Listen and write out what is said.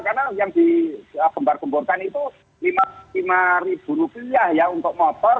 karena yang dikembar kemburkan itu rp lima puluh lima untuk motor